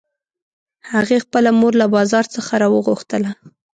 هغې خپله مور له بازار څخه راوغوښتله